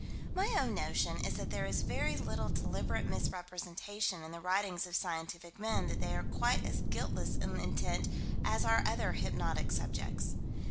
My own notion is that there is very little deliberate misrepresentation in the writings of scientific men: that they are quite as guiltless in intent as are other hypnotic subjects.